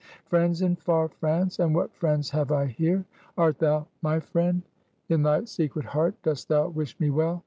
"Friends in far France? And what friends have I here? Art thou my friend? In thy secret heart dost thou wish me well?